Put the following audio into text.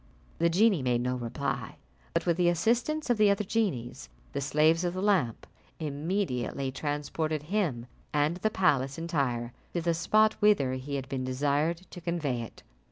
The genie made no reply, but with the assistance of the other genies, the slaves of the lamp, immediately transported him and the palace, entire, to the spot whither he had been desired to convey it.